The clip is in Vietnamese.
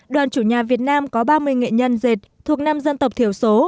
đoàn chủ nhà việt nam có ba mươi nghệ nhân dệt thuộc năm dân tộc thiểu số